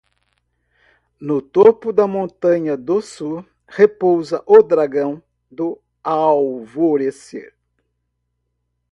No topo da montanha do sul, repousa o dragão do alvorecer.